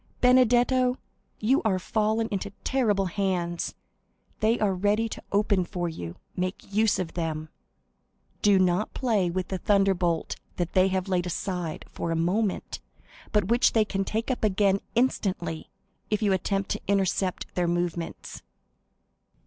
Benedetto, you are fallen into terrible hands; they are ready to open for you—make use of them. Do not play with the thunderbolt they have laid aside for a moment, but which they can take up again instantly, if you attempt to intercept their movements."